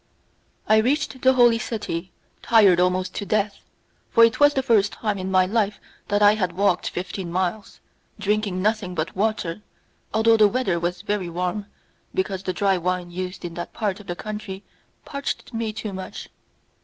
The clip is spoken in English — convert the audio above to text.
I reached the Holy City, tired almost to death, for it was the first time in my life that I had walked fifteen miles, drinking nothing but water, although the weather was very warm, because the dry wine used in that part of the country parched me too much.